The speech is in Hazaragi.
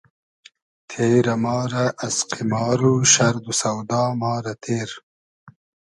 تېرۂ ما رۂ از قیمار و شئرد و سۆدا ما رۂ تیر